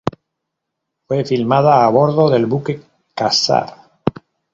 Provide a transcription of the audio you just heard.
Fue filmada a bordo del buque Ksar.